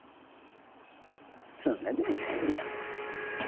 そんなでもないよ。